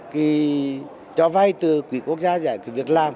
thì cho vay từ quỹ quốc gia giải quyết việc làm